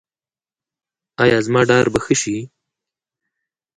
ایا زما ډار به ښه شي؟